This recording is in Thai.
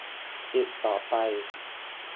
อีกต่อไป